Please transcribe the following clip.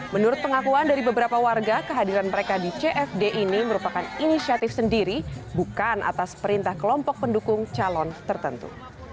menurut pengakuan dari beberapa warga kehadiran mereka di cfd ini merupakan inisiatif sendiri bukan atas perintah kelompok pendukung calon tertentu